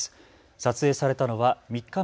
撮影されたのは３日前。